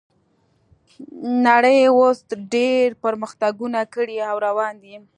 نړۍ اوس ډیر پرمختګونه کړي او روان دي